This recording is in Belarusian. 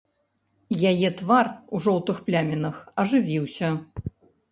Яе твар, у жоўтых плямінах, ажывіўся.